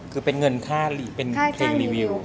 คือเป็นเงินค่าเป็นเพลงรีวิว